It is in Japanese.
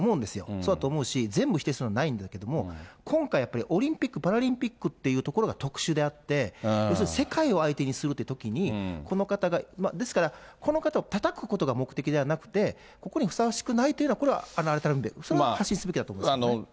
そうだと思うし、全部否定するのはないんだけども、今回やっぱり、オリンピック・パラリンピックっていうところが特殊であって、要するに世界を相手にするっていうときに、この方が、ですから、この方をたたくことが目的ではなくて、ここにふさわしくないっていうのは、これは改めて、それは発信すべきだと思うんですね。